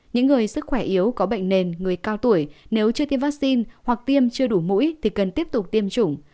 những người sức khỏe yếu có bệnh nền người cao tuổi nếu chưa tiêm vaccine hoặc tiêm chưa đủ mũi thì cần tiếp tục tiêm chủng